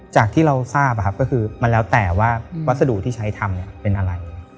จากที่เราทราบก็คือมันแล้วแต่ว่าวัสดุที่ใช้ทำเป็นอะไร